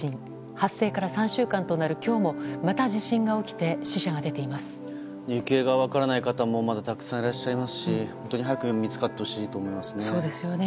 発生から３週間となる今日もまた地震が起きて行方が分からない方もまだたくさんいらっしゃいますし本当に早く見つかってほしいと思いますね。